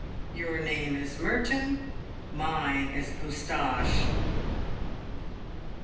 Tour name is Merton, mine is Boustache."